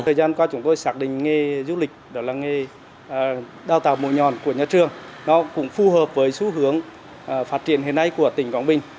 thời gian qua chúng tôi xác định nghề du lịch đó là nghề đào tạo mùa nhòn của nhà trường nó cũng phù hợp với xu hướng phát triển hình này của tỉnh quảng bình